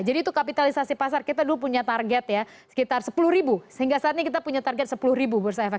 jadi itu kapitalisasi pasar kita dulu punya target sekitar sepuluh sehingga saat ini kita punya target sepuluh bursa efek